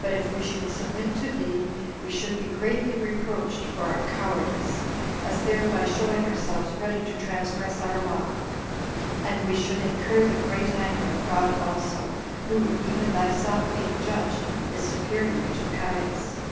But if we should submit to thee, we should be greatly reproached for our cowardice, as thereby showing ourselves ready to transgress our law; and we should incur the great anger of God also, who, even thyself being judge, is superior to Caius."